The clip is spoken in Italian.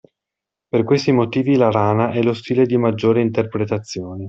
Per questi motivi la rana è lo stile di maggiore interpretazioni.